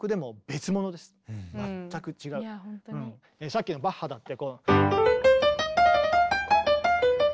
さっきのバッハだって。